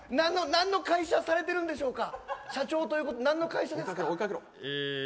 何の会社されてるんでしょうか。